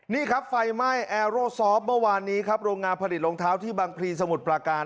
นี่ครับไฟไหม้แอร์โรซอฟต์เมื่อวานนี้ครับโรงงานผลิตรองเท้าที่บางพลีสมุทรปราการ